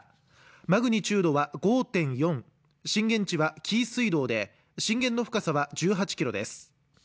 マグニチュードは５．４震源地は紀伊水道で震源の深さは１８キロです